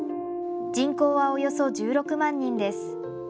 人口は、およそ１６万人です。